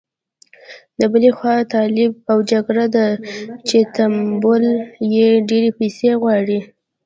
له بلې خوا طالب او جګړه ده چې تمویل یې ډېرې پيسې غواړي.